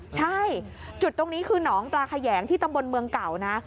ใช่จุดตรงนี้คือหนองปลาแขยงที่ตำบลเมืองเก่านะ